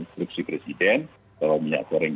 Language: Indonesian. instruksi presiden bahwa minyak goreng